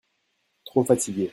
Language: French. Trop fatigué.